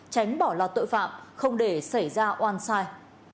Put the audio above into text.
tránh bỏ lọt tội phạm không để xảy ra oan sai